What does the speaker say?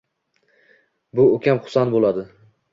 Bu ukam Husan bo`ladi